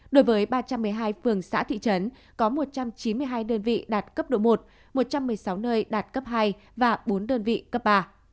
đối với ba trăm một mươi hai phường xã thị trấn có một trăm chín mươi hai đơn vị đạt cấp độ một một trăm một mươi sáu nơi đạt cấp hai và bốn đơn vị cấp ba